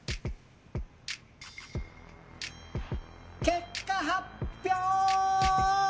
結果発表！